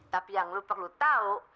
tapi yang lu perlu tahu